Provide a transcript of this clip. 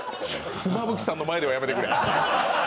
妻夫木さんの前ではやめてくれ。